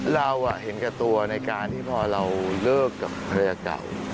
เราเห็นแก่ตัวในการที่พอเราเลิกกับภรรยาเก่า